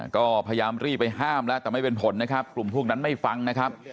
ก็พยายามรีบไปห้ามแล้วแต่ไม่เป็นผลนะครับกลุ่มพวกนั้นไม่ฟังนะครับ